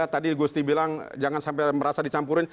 tadi gusti bilang jangan sampai merasa dicampurin